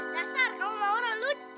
dasar kamu maura lucu